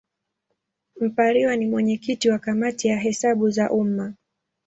Mpariwa ni mwenyekiti wa Kamati ya Hesabu za Umma.